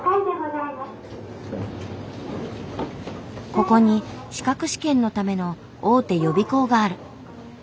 ここに資格試験のための大手予備校がある。